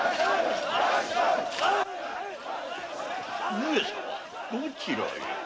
上様どちらへ？